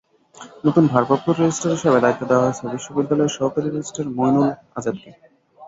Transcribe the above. নতুন ভারপ্রাপ্ত রেজিস্ট্রার হিসেবে দায়িত্ব দেওয়া হয়েছে বিশ্ববিদ্যালয়ের সহকারী রেজিস্ট্রার মইনুল আজাদকে।